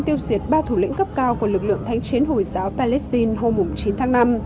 tiêu diệt ba thủ lĩnh cấp cao của lực lượng thánh chiến hồi giáo palestine hôm chín tháng năm